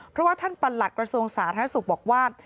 เพราะว่าท่านปันหลักประสุนสาธาศุกร์บอกว่า